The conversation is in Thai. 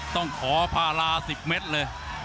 ต้องขอภาราสิบเม็ดเลย